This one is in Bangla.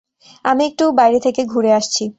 আমি একটু বাইরে থেকে ঘুরে আসছি।